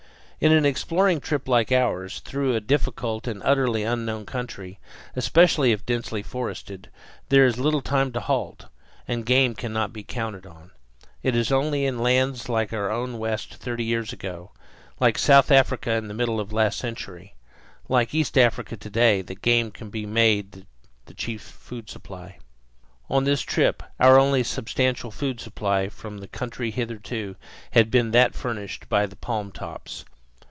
In an exploring trip like ours, through a difficult and utterly unknown country, especially if densely forested, there is little time to halt, and game cannot be counted on. It is only in lands like our own West thirty years ago, like South Africa in the middle of the last century, like East Africa to day that game can be made the chief food supply. On this trip our only substantial food supply from the country hitherto had been that furnished by the palmtops.